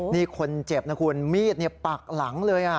นี่คนเจ็บนะคุณมีดเนี่ยปากหลังเลยอ่ะ